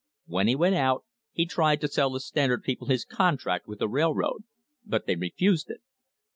When he went out he tried to sell the Standard people his contract with the railroad, but they refused it.